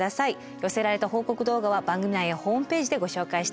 寄せられた報告動画は番組内やホームページでご紹介しています。